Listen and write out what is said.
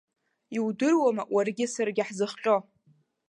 Иудыруама уаргьы саргьы ҳзыхҟьо?